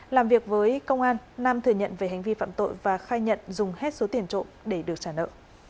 làm việc với công an nam thừa nhận về hành vi phạm tội và khai nhận dùng hết số tiền trộm để được trả nợ